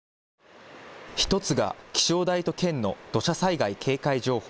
１つが気象台と県の土砂災害警戒情報。